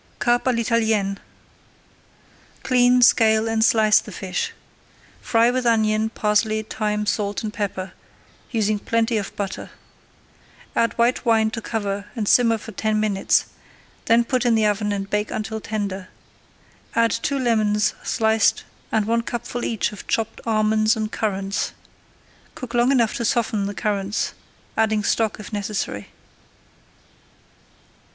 CARP À L'ITALIENNE Clean, scale, and slice the fish. Fry with onion, parsley, thyme, salt, and pepper, using plenty of butter. Add white wine to cover and simmer for ten minutes; then put in the oven and bake until tender. Add two lemons sliced and one cupful each of chopped almonds and currants. Cook long enough to soften the currants, adding stock if necessary.